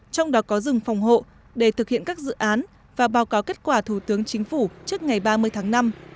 trong đó có rừng phòng hộ để thực hiện các dự án và báo cáo kết quả thủ tướng chính phủ trước ngày ba mươi tháng năm